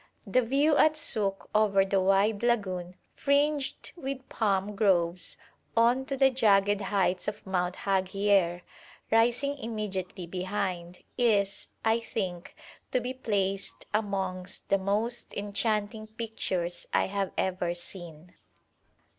The view at Suk over the wide lagoon fringed with palm groves, on to the jagged heights of Mount Haghier rising immediately behind, is, I think, to be placed amongst the most enchanting pictures I have ever seen.